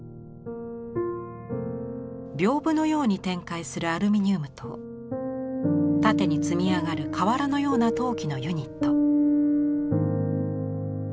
屏風のように展開するアルミニウムと縦に積み上がる瓦のような陶器のユニット。